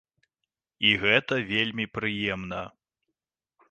І гэта вельмі прыемна.